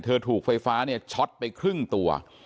ถูกไฟฟ้าเนี่ยช็อตไปครึ่งตัว